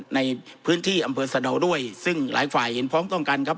ในพื้นที่อำเภอสะดาวด้วยซึ่งหลายฝ่ายเห็นพร้อมต้องกันครับ